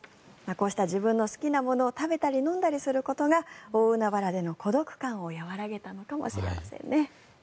こうした自分の好きなものを飲んだり食べたりすることが大海原での孤独感を和らげたのかもしれませんね。